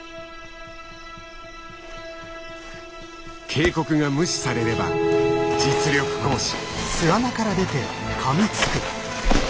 警告が無視されれば実力行使。